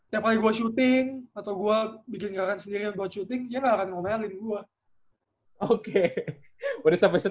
dia cuma kayak tiap kali gue syuting atau gue bikin garan sendiri buat syuting